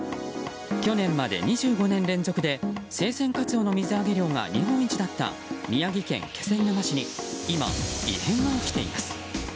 去年まで２５年連続で生鮮カツオの水揚げ量が日本一だった宮城県気仙沼市に今、異変が起きています。